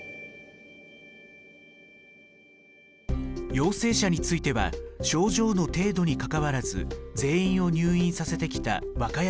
陽性者については症状の程度にかかわらず全員を入院させてきた和歌山県。